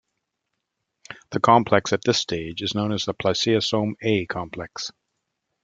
The complex at this stage is known as the spliceosome A complex.